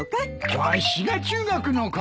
わしが中学の頃は。